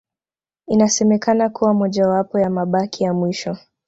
Inasemekana kuwa mojawapo ya mabaki ya mwisho